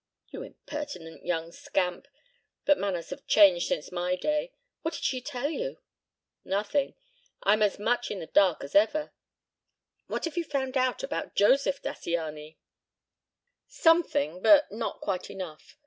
"You impertinent young scamp. But manners have changed since my day. What did she tell you?" "Nothing. I'm as much in the dark as ever. What have you found out about Josef Zattiany?" "Something, but not quite enough.